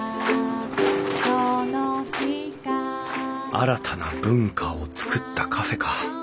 新たな文化をつくったカフェか。